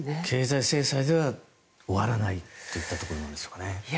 経済制裁では終わらないといったところもあるんですよね。